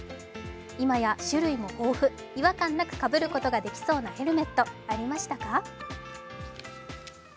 今や種類も豊富、違和感なくかぶることができそうなヘルメットありましたか？